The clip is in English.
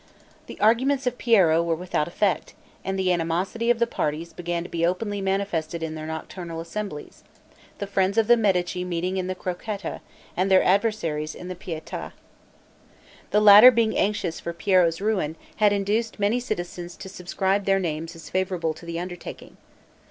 The arguments of Piero were without effect, and the animosity of the parties began to be openly manifested in their nocturnal assemblies; the friends of the Medici meeting in the Crocetta, and their adversaries in the Pieta. The latter being anxious for Piero's ruin, had induced many citizens to subscribe their names as favorable to the undertaking.